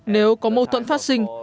nếu có mâu thuẫn phát sinh